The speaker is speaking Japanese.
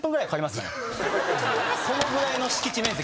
そのぐらいの敷地面積。